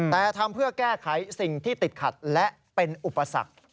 แต่ทำเพื่อแก้ไขสิ่งที่ติดขัดและเป็นอุปสรรค